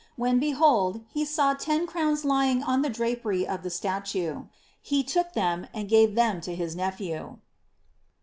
When behold, he saw ten crowns lying on the drapery of the statue; hd took them and gave them to his nephew.